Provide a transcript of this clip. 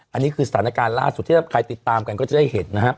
อันนี้คือสถานการณ์ล่าสุดที่ถ้าใครติดตามกันก็จะได้เห็นนะครับ